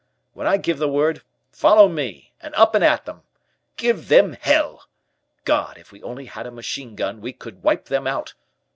When I give the word, follow me, and up and at them. Give them hell! God, if we only had a machine gun, we could wipe them out!